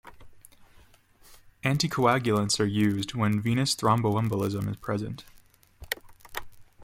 Anticoagulants are used when venous thromboembolism is present.